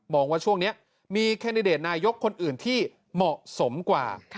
ว่าช่วงนี้มีแคนดิเดตนายกคนอื่นที่เหมาะสมกว่า